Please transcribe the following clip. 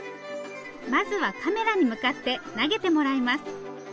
まずはカメラに向かって投げてもらいます。